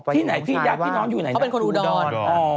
ที่ไหนที่ญาติพี่น้องอยู่ไหนเขาเป็นคนอุดร